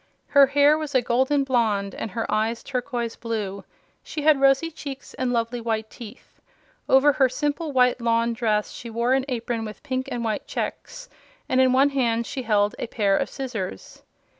Her hair was a golden blonde and her eyes turquoise blue. She had rosy cheeks and lovely white teeth. Over her simple white lawn dress she wore an apron with pink and white checks, and in one hand she held a pair of scissors.